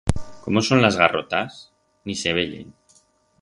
Cómo son las garrotas? Ni se veyen.